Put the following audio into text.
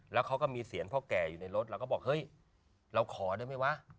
แล้วเขาก็มีเสียงพ่อแก่อยู่ในรถเราก็บอกเฮ้ยเราขอได้ไหมวะ